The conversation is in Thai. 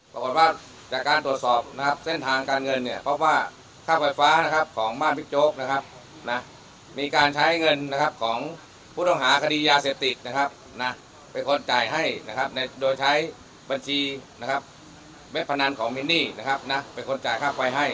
บอกว่าจากการตรวจสอบเส้นทางการเงินเพราะว่าค่าไฟฟ้าของบ้านพิกโจ๊กมีการใช้เงินของผู้ต้องหาคดียาเสพติกเป็นคนจ่ายให้โดยใช้บัญชีเม็ดพนันของมินนี่เป็นคนจ่ายค่าไฟให้